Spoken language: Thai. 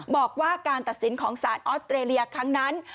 บอกว่าการตัดสินของสารออสเตรเลียครั้งนั้น